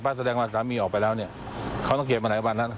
ปั๊บแสดงว่าสามีออกไปแล้วเนี่ยเขาต้องเกลียดมาหลายวันนะครับ